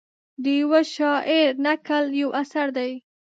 د یوه شاعر نکل یو اثر دی.